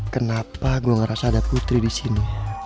kenapa gue ngerasa ada putri di sini